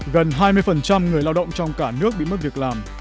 gần hai mươi người lao động trong cả nước bị mất việc làm